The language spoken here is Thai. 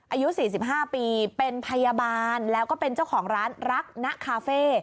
อายุ๔๕ปีเป็นพยาบาลแล้วก็เป็นเจ้าของร้านรักนะคาเฟ่